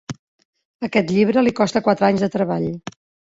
Aquest llibre li costa quatre anys de treball.